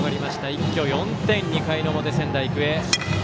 一挙４点、２回の表、仙台育英。